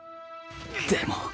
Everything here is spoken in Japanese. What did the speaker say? でも